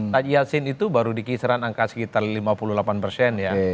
taji yasin itu baru dikisaran angka sekitar lima puluh delapan persen ya